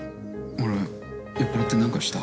俺酔っぱらって何かした？